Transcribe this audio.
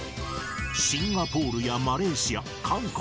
シンガポールやマレーシア、韓国。